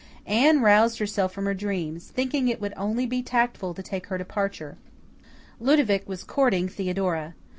Anne roused herself from her dreams, thinking it would only be tactful to take her departure. Ludovic was courting Theodora.